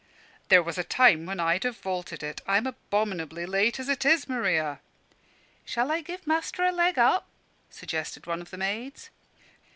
"There was a time when I'd have vaulted it. I'm abominably late as it is, Maria." "Shall I give master a leg up?" suggested one of the maids.